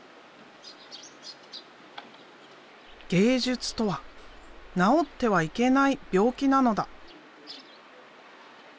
「芸術とは治ってはいけない病気なのだ」。